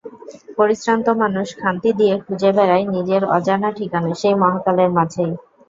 পরিশ্রান্ত মানুষ ক্ষান্তি দিয়ে খুঁজে বেড়ায় নিজের অজানা ঠিকানা সেই মহাকালের মাঝেই।